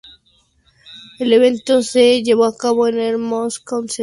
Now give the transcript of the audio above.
El evento se llevó a cabo en el "Moscone Center" de San Francisco.